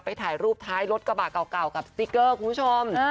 ถ่ายรูปท้ายรถกระบะเก่ากับสติ๊กเกอร์คุณผู้ชม